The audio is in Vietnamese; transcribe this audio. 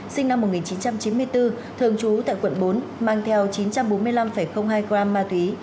sinh năm một nghìn chín trăm chín mươi bốn thường trú tại quận bốn mang theo chín trăm bốn mươi năm hai gram ma túy